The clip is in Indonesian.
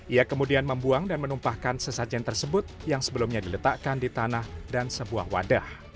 ia kemudian membuang dan menumpahkan sesajen tersebut yang sebelumnya diletakkan di tanah dan sebuah wadah